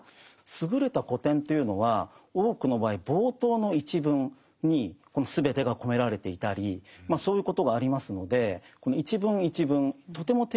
優れた古典というのは多くの場合冒頭の一文に全てが込められていたりそういうことがありますのでこの一文一文とても丁寧に読んでいくことが必要だと思います。